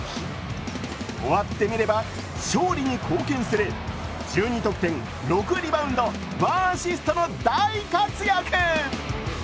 終わってみれば、勝利に貢献する、１２得点、６リバウンド、１アシストの大活躍。